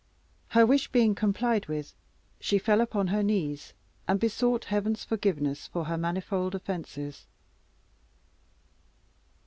Her wish being complied with, she fell upon her knees, and besought Heaven's forgiveness for her manifold offences.